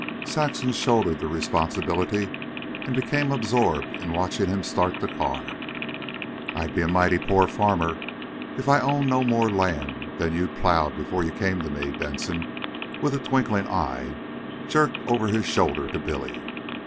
Saxon shouldered the responsibility and became absorbed in watching him start the car. "I'd be a mighty poor farmer if I owned no more land than you'd plowed before you came to me," Benson, with a twinkling eye, jerked over his shoulder to Billy.